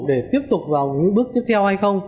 để tiếp tục vào những bước tiếp theo hay không